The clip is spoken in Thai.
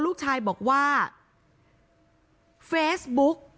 หนูจะให้เขาเซอร์ไพรส์ว่าหนูเก่ง